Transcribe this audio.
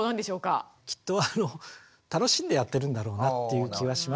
きっとあの楽しんでやってるんだろうなっていう気はします。